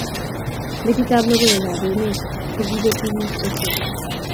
metitab logoiywekab emet kogibeti biik ochei